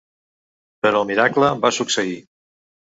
Però el miracle va succeir.